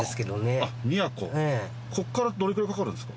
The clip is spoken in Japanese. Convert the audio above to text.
ここからどれくらいかかるんですか？